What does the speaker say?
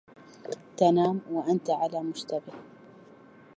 تنام وأنت على مشتبه